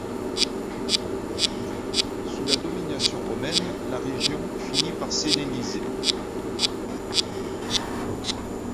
Sous la domination romaine, la région finit par s'helléniser.